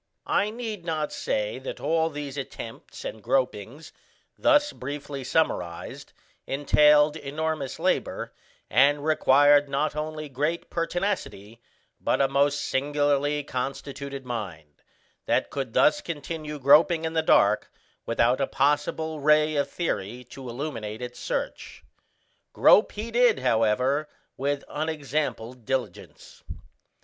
] I need not say that all these attempts and gropings, thus briefly summarized, entailed enormous labour, and required not only great pertinacity, but a most singularly constituted mind, that could thus continue groping in the dark without a possible ray of theory to illuminate its search. Grope he did, however, with unexampled diligence.